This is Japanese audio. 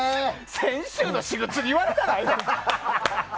先週の私物に言われたくないわ。